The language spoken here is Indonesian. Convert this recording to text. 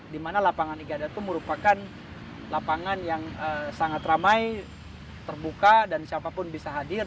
dimana lapangan ikada itu merupakan lapangan yang sangat ramai terbuka dan siapapun bisa hadir